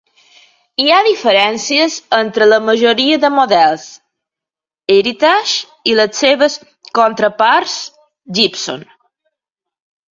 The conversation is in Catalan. Hi ha diferències entre la majoria de models Heritage i les seves contraparts Gibson.